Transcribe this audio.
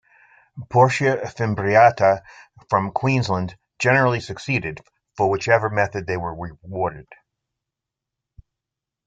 "Portia fimbriata" from Queensland generally succeeded, for whichever method they were rewarded.